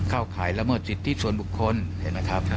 ข่ายละเมิดสิทธิส่วนบุคคลเห็นไหมครับ